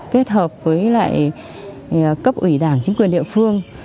kết hợp với lại cấp ủy đảng chính quyền địa phương